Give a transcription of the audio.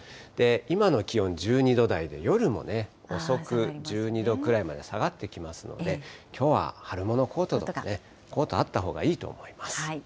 今の気温１２度台で、夜も遅く１２度くらいまで下がってきますので、きょうは春物のコートとか、コートあったほうがいいと思います。